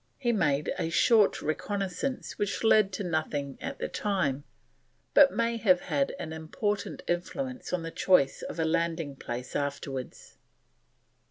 He made a short reconnaissance which led to nothing at the time, but may have had an important influence in the choice of a landing place afterwards.